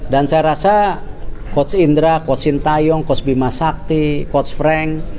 dan saya rasa coach indra coach sintayong coach bimasakti coach frank